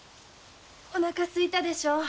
おなかすいたでしょう？